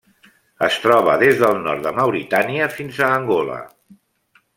Es troba des del nord de Mauritània fins a Angola.